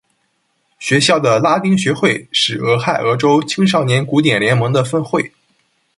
学校的拉丁学会是俄亥俄州青少年古典联盟的分会。